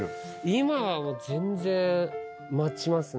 今は全然待ちますね。